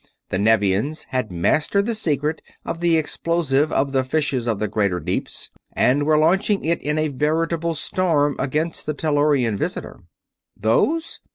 The Nevians had mastered the secret of the explosive of the fishes of the greater deeps, and were launching it in a veritable storm against the Tellurian visitor. "Those?"